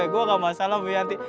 gue gak masalah wianti